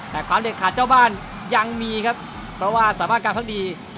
แต่ความเล็กขาดเจ้ามีครับเพราะว่าสามารถการภักดี